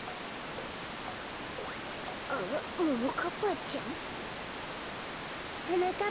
あっももかっぱちゃん？はなかっ